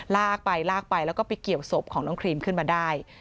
ลากไปแล้วเเกี่ยวศพของน้องครีมขึ้นมาได้